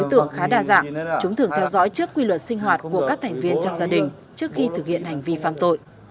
ý tưởng khá đa dạng chúng thường theo dõi trước quy luật sinh hoạt của các thành viên trong gia đình trước khi thực hiện hành vi phạm tội